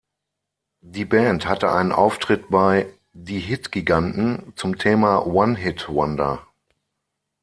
Die Band hatte einen Auftritt bei "Die Hit-Giganten" zum Thema One-Hit-Wonder.